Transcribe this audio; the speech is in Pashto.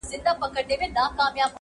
لوی مُلا یې وو حضور ته ور بللی!.